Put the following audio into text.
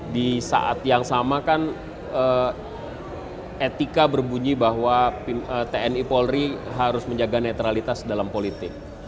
di saat yang sama kan etika berbunyi bahwa tni polri harus menjaga netralitas dalam politik